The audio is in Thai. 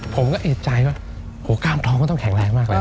ผมก็เอกใจว่าโหกล้ามท้องก็ต้องแข็งแรงมากเลย